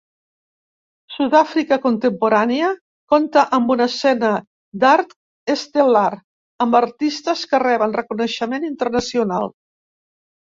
Sud-àfrica contemporània compta amb una escena d'art estel·lar, amb artistes que reben reconeixement internacional.